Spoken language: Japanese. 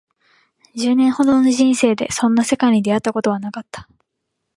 十年ほどの人生でそんな世界に出会ったことはなかった